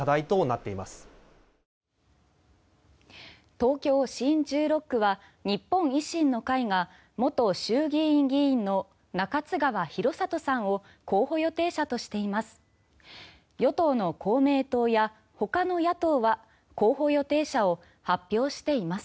東京新１６区は日本維新の会が元衆議院議員の中津川博郷さんを候補予定者としています。